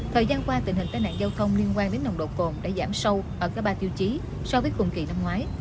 thời gian qua tình hình tai nạn giao thông liên quan đến nồng độ cồn đã giảm sâu ở cả ba tiêu chí so với cùng kỳ năm ngoái